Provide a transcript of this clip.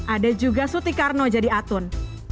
ada juga suti karno jadi atun